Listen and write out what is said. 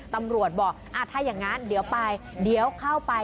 ตำรวจบอกถ้าอย่างนั้นเดี๋ยวไปเดี๋ยวเข้าไป